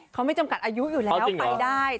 เขาไม่จำกัดอายุอยู่แล้วไปได้